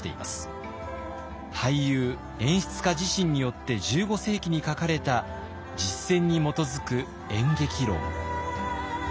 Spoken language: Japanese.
俳優演出家自身によって１５世紀に書かれた実践に基づく演劇論。